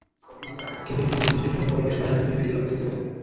কিন্তু একটি নির্দিষ্ট সময় পরপর সাধারণ একজন ব্যক্তি রক্ত দিতে পারে।